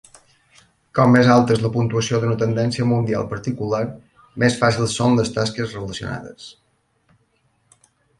Com més alta és la puntuació d'una tendència mundial particular, més fàcils són les tasques relacionades.